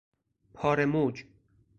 پاره موج